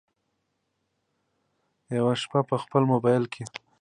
یوه شپه په خپل مبایل کې